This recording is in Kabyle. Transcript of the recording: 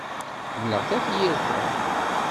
Ḥemmleɣ tafyirt-a.